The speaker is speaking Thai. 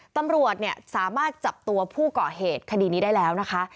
ตำรวจสามารถจับตัวผู้ก่อเหตุคดีนี้ได้แล้วนะคะ